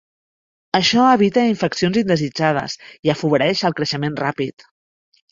Això evita infeccions indesitjades i afavoreix el creixement ràpid.